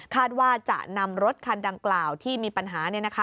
ว่าจะนำรถคันดังกล่าวที่มีปัญหา